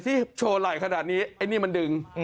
ที่โชว์ไหล่ขนาดนี้มันดึง